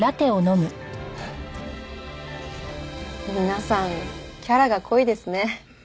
皆さんキャラが濃いですね。